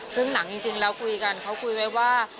ซึ่งหนังจริงแล้วคุยกันเขาคุยไว้ว่า